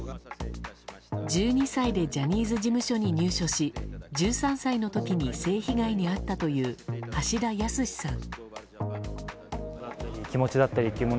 １２歳でジャニーズ事務所に入所し１３歳の時に性被害に遭ったという橋田康さん。